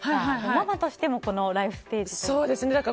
ママとしてもライフステージというか。